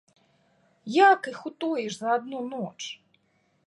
Як іх утоіш за адну ноч?